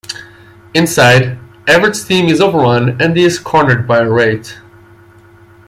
Inside, Everett's team is overrun and he is cornered by a Wraith.